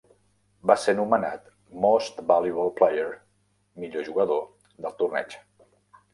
Va ser nomenat Most Valuable Player (millor jugador) del torneig.